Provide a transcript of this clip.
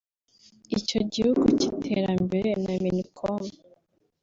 Ikigo cy’Igihugu cy’iterambere na Minicom